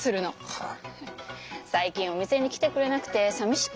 はい。